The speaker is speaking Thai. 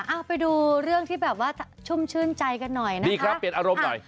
เอาไปดูเรื่องที่แบบว่าชุ่มชื่นใจกันหน่อยนะนี่ครับเปลี่ยนอารมณ์หน่อย